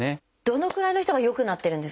どのくらいの人が良くなってるんですか？